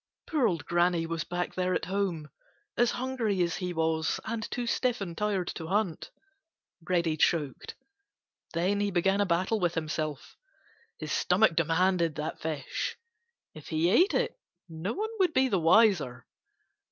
Poor old Granny was back there at home as hungry as he was and too stiff and tired to hunt. Reddy choked. Then he began a battle with himself. His stomach demanded that fish. If he ate it, no one would be the wiser.